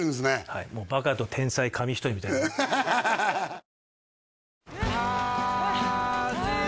はいもうバカと天才紙一重みたいなはぁはぁはぁ